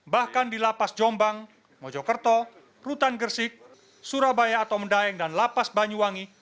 bahkan di lapas jombang mojokerto rutan gersik surabaya atau mendaeng dan lapas banyuwangi